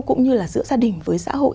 cũng như là giữa gia đình với xã hội